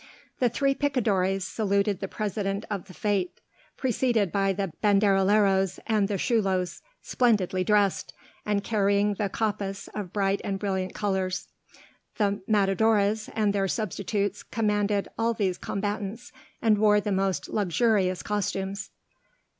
The three picadores saluted the president of the fête, preceded by the banderilleros and the chulos, splendidly dressed, and carrying the capas of bright and brilliant colors. The matadores and their substitutes commanded all these combatants, and wore the most luxurious costumes.